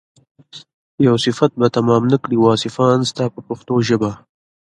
یو صفت به تمام نه کړي واصفان ستا په پښتو ژبه.